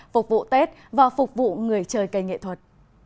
phục vụ tết và phục vụ người chơi cây nghệ thuật